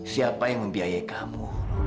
siapa yang membiayai kamu